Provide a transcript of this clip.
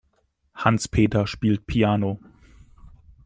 Hans-Peter spielt Piano.